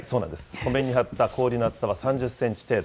湖面に張った氷の厚さは３０センチ程度。